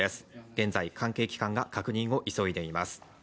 現在、関係機関が確認を急いでいます。